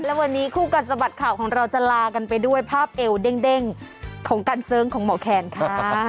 และวันนี้คู่กัดสะบัดข่าวของเราจะลากันไปด้วยภาพเอวเด้งของการเสิร์งของหมอแคนค่ะ